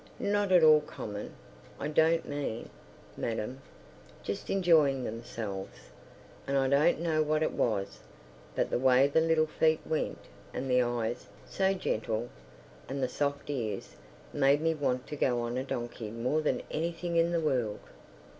Not at all common, I don't mean, madam, just enjoying themselves. And I don't know what it was, but the way the little feet went, and the eyes—so gentle—and the soft ears—made me want to go on a donkey more than anything in the world!